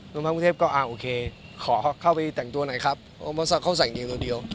โรงพรรคกรุงเทพฯก็อ่าโอเคขอเข้าไปแต่งตัวไหนครับเขาใส่อย่างเดียวเดียว